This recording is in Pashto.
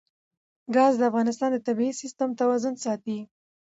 ګاز د افغانستان د طبعي سیسټم توازن ساتي.